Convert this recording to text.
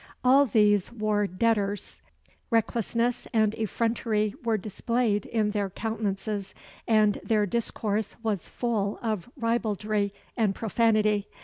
All these wore debtors. Recklessness and effrontery were displayed in their countenances, and their discourse was full of ribaldry and profanity.